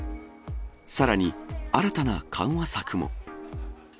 さらに新たな緩和策も。